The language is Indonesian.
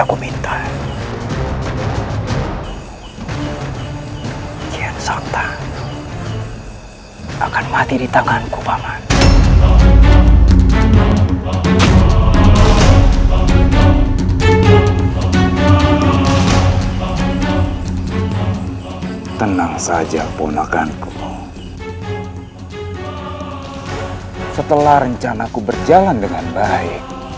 kau akan berhenti